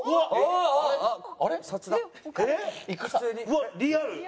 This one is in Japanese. うわっリアル！